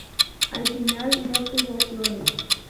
Al final, no tuvo flores.